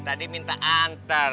tadi minta anter